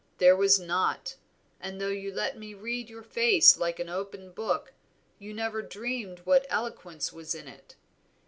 There was not; and though you let me read your face like an open book, you never dreamed what eloquence was in it.